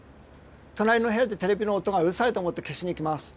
隣の部屋でテレビの音がうるさいと思って消しに行きます。